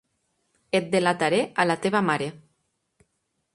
Et delataré a la teva mare.